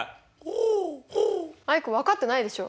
アイク分かってないでしょ？